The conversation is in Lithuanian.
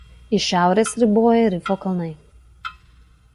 Iš šiaurės riboja Rifo kalnai.